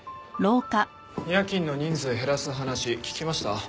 夜勤の人数減らす話聞きました？